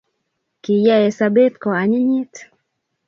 Kiyae sobet koanyinyit